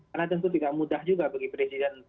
karena tentu tidak mudah juga bagi presiden joko widodo